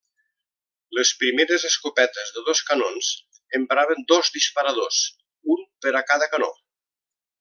Les primeres escopetes de dos canons empraven dos disparadors, un per a cada canó.